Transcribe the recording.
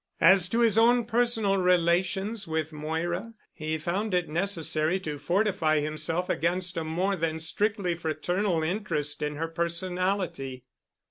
As to his own personal relations with Moira, he found it necessary to fortify himself against a more than strictly fraternal interest in her personality.